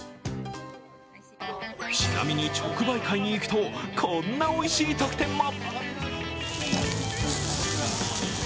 ちなみに、直売会に行くとこんなおいしい特典も。